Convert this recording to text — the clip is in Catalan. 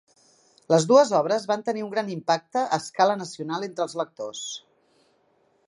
Les dues obres van tenir un gran impacte a escala nacional entre els lectors.